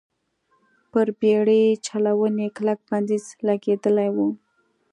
پر بېړۍ چلونې کلک بندیز لګېدلی و.